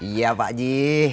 iya pak ji